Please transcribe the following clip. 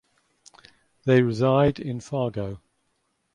They reside in Fargo.